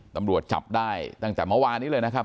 ตำรวจจับได้ตั้งจากเมื่อวานี้เลย